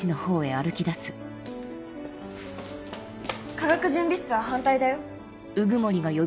化学準備室は反対だよ。